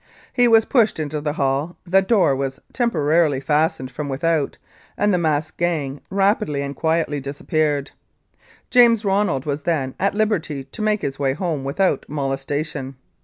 He was pushed into the hall, the door was temporarily fastened from with out, and the masked gang rapidly and quietly dispersed. James Ronald was then at liberty to make his way home without molestation.